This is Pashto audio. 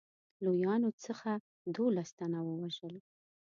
لویانو څخه دوولس تنه ووژل.